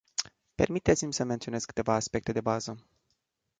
Permiteți-mi să menționez câteva aspecte de bază.